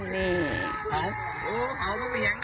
เนี่ย